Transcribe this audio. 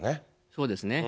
そうですね。